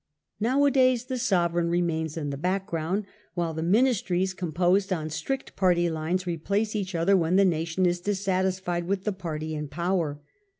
Nowa days the sovereign remains in the background, while the ministries, composed on strict party lines, replace each other when the nation is dissatisfied with the party in power.